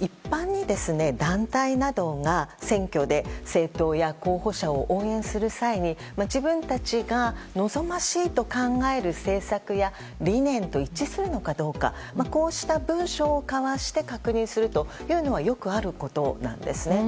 一般に、団体などが選挙で政党や候補者を応援する際に自分たちが望ましいと考える政策や理念と一致するのかどうかこうした文書を交わして確認するというのはよくあることなんですね。